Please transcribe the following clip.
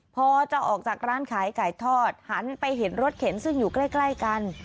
พอจะออกจากร้านขายไก่ทอดหันไปเห็นรถเข็นซึ่งอยู่ใกล้กัน